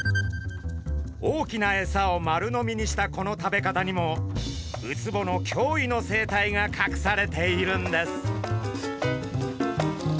大きなエサを丸飲みにしたこの食べ方にもウツボの驚異の生態がかくされているんです。